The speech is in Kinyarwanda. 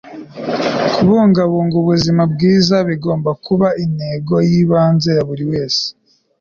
kubungabunga ubuzima bwiza bigomba kuba intego y'ibanze ya buri wese